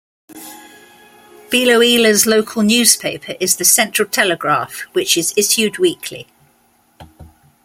Biloela's local newspaper is the "Central Telegraph" which is issued weekly.